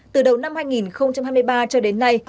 từ đầu năm hai nghìn hai mươi ba cho đến nay